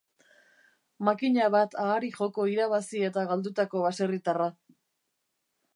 Makina bat ahari joko irabazi eta galdutako baserritarra.